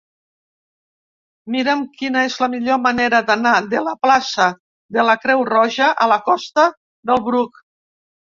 Mira'm quina és la millor manera d'anar de la plaça de la Creu Roja a la costa del Bruc.